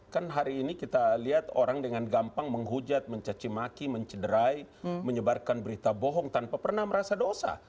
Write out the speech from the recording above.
kan hari ini kita lihat orang dengan gampang menghujat mencacimaki mencederai menyebarkan berita bohong tanpa pernah merasa dosa